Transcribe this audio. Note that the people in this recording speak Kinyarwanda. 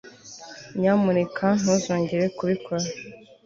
nyamuneka ntuzongere kubikora